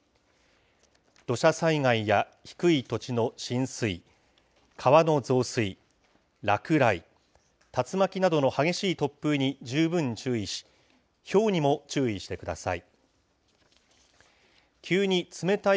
土砂災害や低い土地の浸水、川の増水、落雷、竜巻などの激しい突風に十分注意し、ひょうにも注意してください。